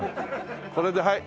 これではい。